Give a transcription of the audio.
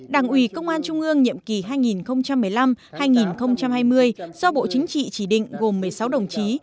đảng ủy công an trung ương nhiệm kỳ hai nghìn một mươi năm hai nghìn hai mươi do bộ chính trị chỉ định gồm một mươi sáu đồng chí